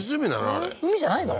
あれ海じゃないの？